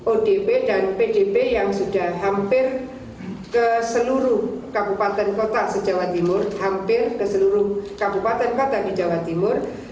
odp dan pdp yang sudah hampir ke seluruh kabupaten kota di jawa timur